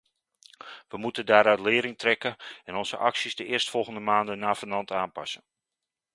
We moeten daaruit lering trekken en onze acties de eerstvolgende maanden navenant aanpassen.